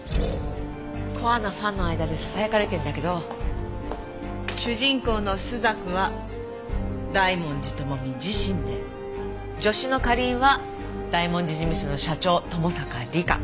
コアなファンの間でささやかれてるんだけど主人公の朱雀は大文字智美自身で助手の花凛は大文字事務所の社長友坂梨香。